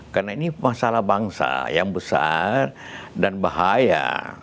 karena ini masalah bangsa yang besar dan bahaya